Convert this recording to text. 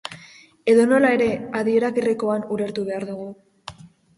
Edonola ere, adiera grekoan ulertu behar dugu.